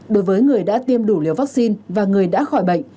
đối với người đã tiêm đủ liều vaccine và người đã khỏi bệnh